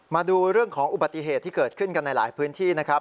มาดูเรื่องของอุบัติเหตุที่เกิดขึ้นกันในหลายพื้นที่นะครับ